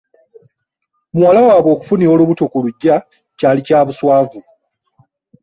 Muwala waabwe okufunira olubuto ku luggya kyali kya buswavu